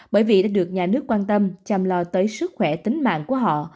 bởi vì đã được nhà nước quan tâm chăm lo tới sức khỏe tính mạng của họ